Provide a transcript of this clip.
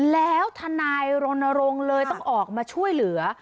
แล้วทนายรณรงค์เลยต้องออกมาช่วยเหลือ